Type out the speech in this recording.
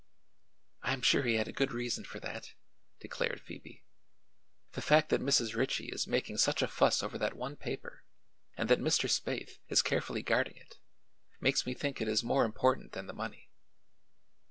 "I am sure he had a good reason for that," declared Phoebe. "The fact that Mrs. Ritchie is making such a fuss over that one paper, and that Mr. Spaythe is carefully guarding it, makes me think it is more important than the money."